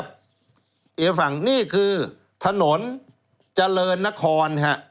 อีกฝั่งนี่คือถนนเจริญนคร